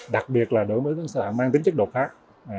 đặc biệt là đổi mới sản phẩm mang tính chất độ khác